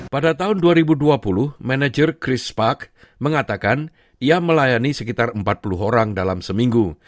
pada tahun dua ribu dua puluh manajer chris park mengatakan ia melayani sekitar empat puluh orang dalam seminggu